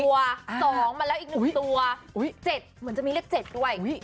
๒มาแล้วอีก๑ตัว๗เหมือนจะมีเลข๗ด้วย